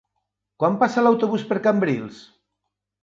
Quan passa l'autobús per Cambrils?